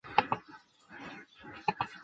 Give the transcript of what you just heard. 苏瓦松站位于苏瓦松市区的东南部。